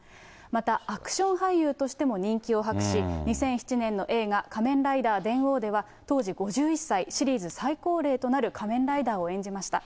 またアクション俳優としても人気を博し、２００７年の映画、仮面ライダー電王では、当時５１歳、シリーズ最高齢となる仮面ライダーを演じました。